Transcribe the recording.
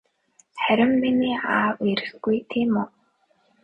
Харин миний аав ирэхгүй тийм үү?